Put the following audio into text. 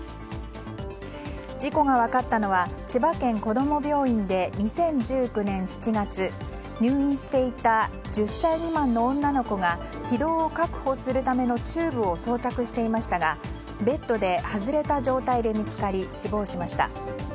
事故が分かったのは千葉県こども病院で２０１９年７月、入院していた１０歳未満の女の子が気道を確保するためのチューブを装着していましたがベッドで外れた状態で見つかり死亡しました。